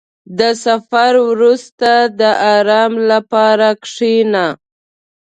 • د سفر وروسته، د آرام لپاره کښېنه.